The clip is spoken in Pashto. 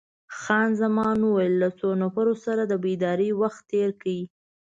خان زمان وویل: له څو نفرو سره د بېدارۍ وخت تیر کړی؟